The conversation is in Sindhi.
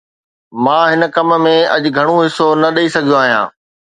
مان هن ڪم ۾ اڄ گهڻو حصو نه ڏئي سگهيو آهيان.